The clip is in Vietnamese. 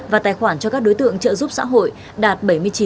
và đối tượng trợ giúp xã hội đạt bảy mươi chín tám mươi bảy